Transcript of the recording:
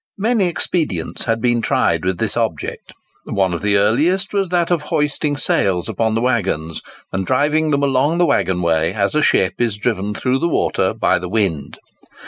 Many expedients had been tried with this object. One of the earliest was that of hoisting sails upon the waggons, and driving them along the waggon way, as a ship is driven through the water by the wind.